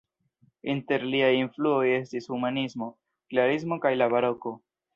Inter liaj influoj estis humanismo, klerismo kaj la Baroko.